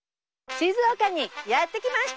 静岡にやって来ました！